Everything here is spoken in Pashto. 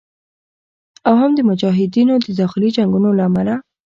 او هم د مجاهدینو د داخلي جنګونو له امله